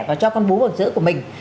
và cho con bú vào giữa của mình